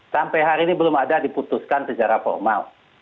sampai hari ini belum ada diputuskan secara formal